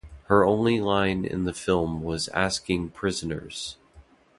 Her only line in the film was asking Prisoners?